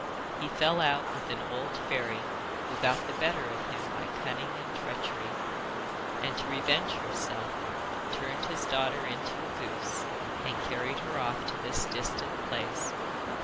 He fell out with an old fairy, who got the better of him by cunning and treachery, and to revenge herself turned his daughter into a goose and carried her off to this distant place.